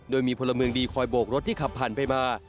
โดยมีพลเมืองดีคอยโบกรถที่ขับผ่านไปมา